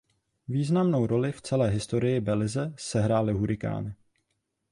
Významnou roli v celé historii Belize sehrály hurikány.